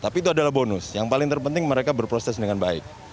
tapi itu adalah bonus yang paling terpenting mereka berproses dengan baik